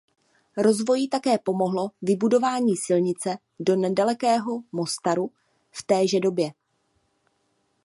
Rozvoji také pomohlo vybudování silnice do nedalekého Mostaru v téže době.